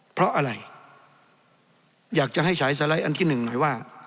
เพราะอะไรอยากจะให้ฉายสไลด์อันที่หนึ่งหน่อยว่า